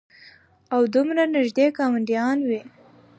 او دومره نېږدې ګاونډيان وي